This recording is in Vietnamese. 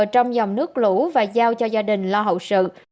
trong dòng nước lũ và giao cho gia đình lo hậu sự